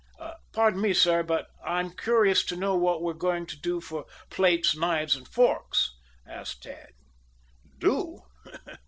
"Pardon me, sir, but I'm curious to know what we're going to do for plates, knives and forks," asked Tad. "Do?